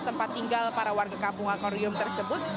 tempat tinggal para warga kampung akwarium tersebut